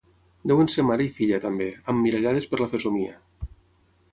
Deuen ser mare i filla, també, emmirallades per la fesomia.